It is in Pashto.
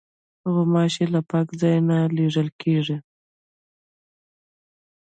غوماشې له پاک ځای نه لیري کېږي.